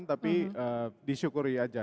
tapi disyukuri aja